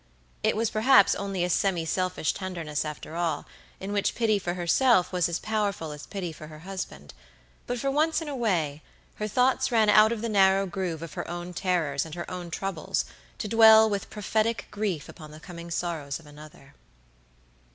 It was perhaps only a semi selfish tenderness after all, in which pity for herself was as powerful as pity for her husband; but for once in a way, her thoughts ran out of the narrow groove of her own terrors and her own troubles to dwell with prophetic grief upon the coming sorrows of another.